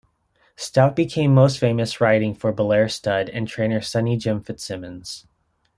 Stout became most famous riding for Belair Stud and trainer Sunny Jim Fitzsimmons.